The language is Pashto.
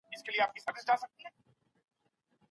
نایله د یوې تاریخي مجلې مرستاله ده.